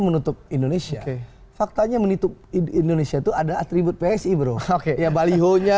menutup indonesia faktanya menutup indonesia itu ada atribut psi bro oke ya balihonya